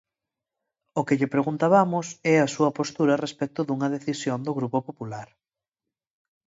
O que lle preguntabamos é a súa postura respecto dunha decisión do Grupo Popular.